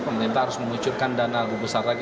pemerintah harus mengucurkan dana lebih besar lagi